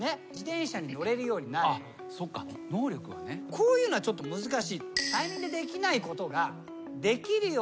こういうのはちょっと難しい。